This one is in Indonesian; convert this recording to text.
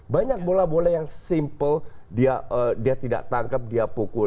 banyak bola bola yang simple dia tidak tangkap dia pukul